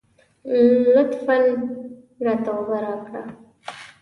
لطفاً راته اوبه راکړه.